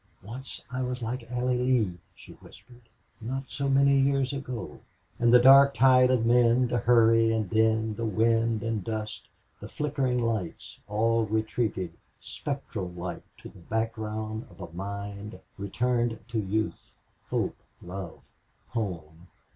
"Once I was like Allie Lee!" she whispered. "Not so many years ago." And the dark tide of men, the hurry and din, the wind and dust, the flickering lights, all retreated spectral like to the background of a mind returned to youth, hope, love, home.